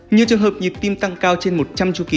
nhiều trường hợp nhịp tim tăng cao trên một trăm linh chu kỳ